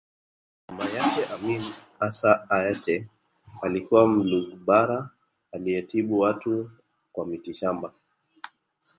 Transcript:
Mama yake Amin Assa Aatte alikuwa Mlugbara aliyetibu watu kwa mitishamba